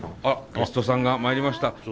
あっゲストさんが参りました。